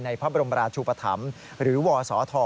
พระบรมราชุปธรรมหรือวศธ